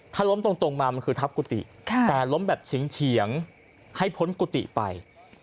ถ้าล้มตรงมามันคือทับกุฏิแต่ล้มแบบเฉียงให้พ้นกุฏิไป